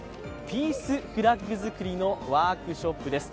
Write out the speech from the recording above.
ピースフラッグ作りのワークショップです。